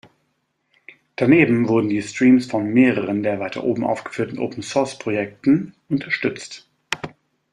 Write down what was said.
Daneben wurden die Streams von mehreren der weiter oben aufgeführten Open-Source-Projekten unterstützt.